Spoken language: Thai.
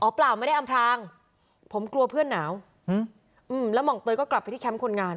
เปล่าไม่ได้อำพรางผมกลัวเพื่อนหนาวแล้วหม่องเตยก็กลับไปที่แคมป์คนงาน